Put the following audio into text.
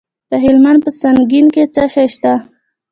د هلمند په سنګین کې څه شی شته؟